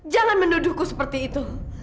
jangan menduduhku seperti itu